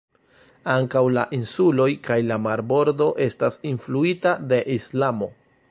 Ankaŭ la insuloj kaj la marbordo estas influita de Islamo.